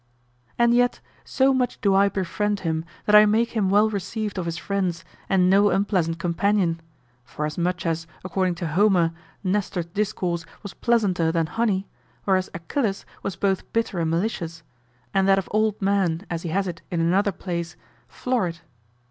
And yet, so much do I befriend him that I make him well received of his friends and no unpleasant companion; for as much as, according to Homer, Nestor's discourse was pleasanter than honey, whereas Achilles' was both bitter and malicious; and that of old men, as he has it in another place, florid.